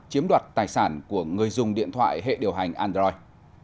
chiếm đoạt tài sản của người dùng điện thoại hệ điều hành android